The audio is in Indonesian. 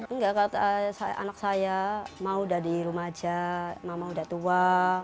enggak kalau anak saya mau udah di rumah aja mama udah tua